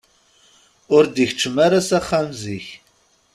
Ur d-ikeččem ara s axxam zik.